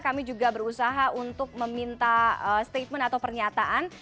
kami juga berusaha untuk meminta statement atau pernyataan